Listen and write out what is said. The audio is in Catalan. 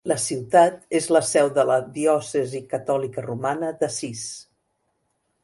La ciutat és la seu de la diòcesi catòlica romana d'Assís.